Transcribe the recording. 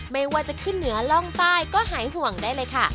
ไม่ว่าจะขึ้นเหนือล่องใต้ก็หายห่วงได้เลยค่ะ